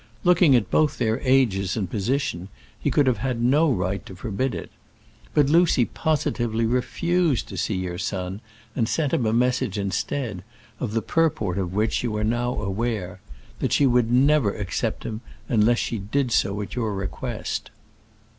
Looking at both their ages and position he could have had no right to forbid it. But Lucy positively refused to see your son, and sent him a message instead, of the purport of which you are now aware that she would never accept him unless she did so at your request."